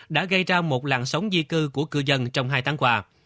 đã gây ra một làn sóng di cư của cư dân trong hai tháng qua